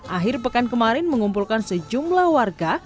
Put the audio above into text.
akhir pekan kemarin mengumpulkan sejumlah warga